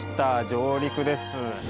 上陸です。